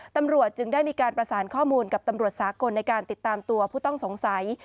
ตำรวจจึงได้มีการประสานข้อมูลกับตำรวจสากลในการติดตามตัวผู้ต้องสงสัย